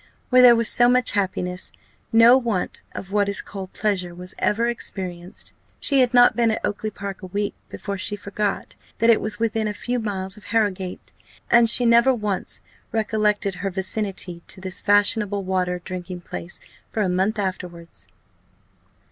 Where there was so much happiness, no want of what is called pleasure was ever experienced. She had not been at Oakly park a week before she forgot that it was within a few miles of Harrowgate, and she never once recollected her vicinity to this fashionable water drinking place for a month afterwards.